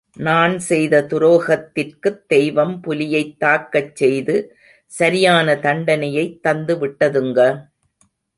நான் செய்த துரோகத்திற்குத் தெய்வம் புலியைத் தாக்கச் செய்து சரியான தண்டனையைத் தந்து விட்டதுங்க!